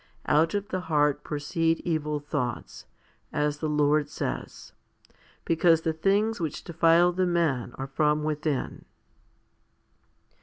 Out of the heart proceed evil thoughts? as the Lord says ; because the things which defile the man are from within.